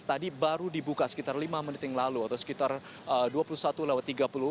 tadi baru dibuka sekitar lima menit yang lalu atau sekitar dua puluh satu lewat tiga puluh